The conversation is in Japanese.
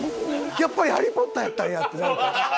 「やっぱりハリー・ポッターやったんや」ってなるから。